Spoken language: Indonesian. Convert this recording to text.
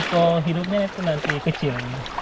kalau hidupnya itu nanti kecil